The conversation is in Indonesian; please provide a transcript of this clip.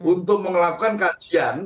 untuk melakukan kajian